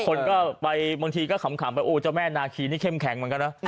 คนก็ไปบางทีก็ขำไปโอ้เจ้าแม่นาคีนี่เข้มแข็งเหมือนกันนะ